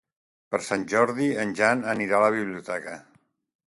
Per Sant Jordi en Jan anirà a la biblioteca.